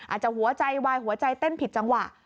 อาจจะหัวใจวายหัวใจเต้นผิดจังหวะ